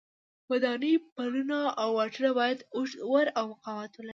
ودانۍ، پلونه او واټونه باید اوږد عمر او مقاومت ولري.